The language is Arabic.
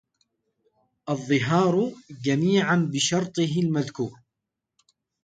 وَالظِّهَارُ جَمِيعًا بِشَرْطِهِ الْمَذْكُورِ